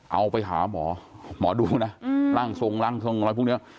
เอาไปหาหมอหมอดวงนะร่างทรงร่างทรงอะไรพวกนี้